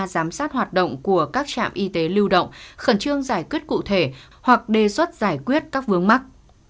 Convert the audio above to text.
giám sát hoạt động của các trạm y tế lưu động khẩn trương giải quyết cụ thể hoặc đề xuất giải quyết các vướng mắt